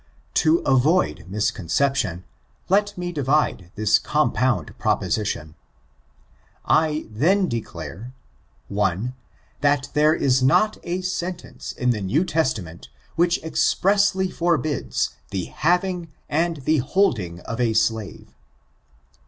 To avoid misconception, let me divide this compound proposition. I then declare : L That there is not a sentence in the New Testament^ which expressly forbids the having and the holding of a slave.